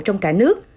trong cả nước